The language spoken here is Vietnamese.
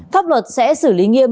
pháp luật sẽ xử lý nghiêm